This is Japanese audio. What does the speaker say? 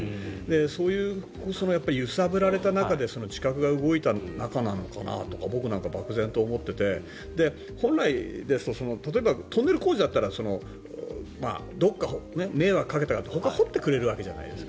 そういう揺さぶられた中で地殻が動いたのかなとか僕なんか、ばくぜんと思っていて本来ですと例えばトンネル工事だったらどこかに迷惑かけたらほかが掘ってくれるわけじゃないですか。